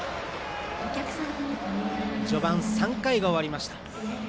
序盤３回が終わりました。